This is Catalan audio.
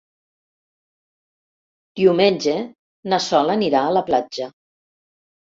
Diumenge na Sol anirà a la platja.